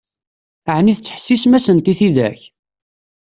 Ɛni tettḥessisem-asent i tidak?